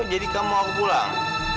jadi kamu mau aku pulang